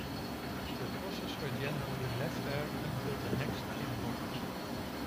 The crosses were generally left there until the next Imbolc.